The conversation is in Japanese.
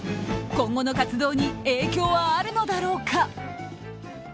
今後の活動に影響はあるのだろうか。